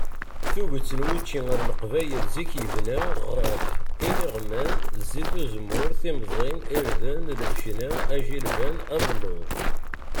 Tuget n wučči ar leqbayel zik yebna ɣef iniɣman, zit uzemmur, timẓin, irden, lbecna, ajilban, abelluḍ.